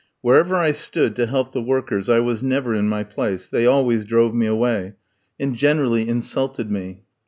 Wherever I stood to help the workers I was never in my place; they always drove me away, and generally insulted me.